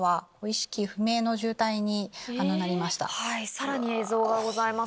さらに映像がございます